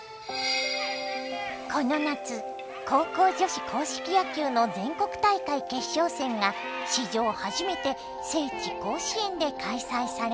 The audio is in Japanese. この夏高校女子硬式野球の全国大会決勝戦が史上初めて聖地甲子園で開催されました。